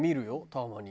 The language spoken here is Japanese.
たまに。